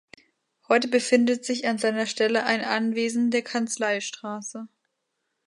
Heute befindet sich an seiner Stelle ein Anwesen der Kanzleistraße.